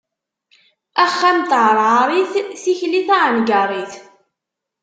Axxam n tɛerɛarit, tikli taɛengarit.